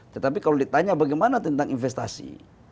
tetapi kalau ditanya bagaimana tentang investasi